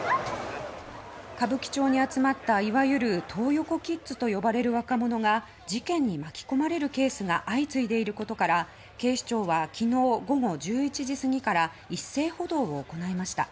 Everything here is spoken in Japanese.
歌舞伎町に集まったいわゆる「トー横キッズ」と呼ばれる若者が事件に巻き込まれるケースが相次いでいることから警視庁は昨日午後１１時過ぎから一斉補導を行いました。